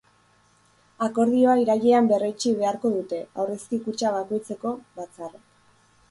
Akordioa irailean berretsi beharko dute aurrezki-kutxa bakoitzeko batzarrek.